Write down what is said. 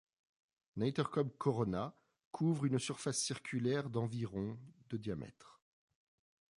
Neyterkob Corona couvre une surface circulaire d'environ de diamètre.